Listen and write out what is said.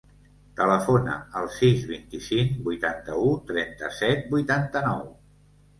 Telefona al sis, vint-i-cinc, vuitanta-u, trenta-set, vuitanta-nou.